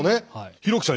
廣木さん